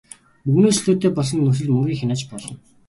Мөнгөнөөс чөлөөтэй болсон нөхцөлд мөнгийг хянаж болно.